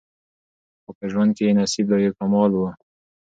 خو په ژوند کي یې نصیب دا یو کمال وو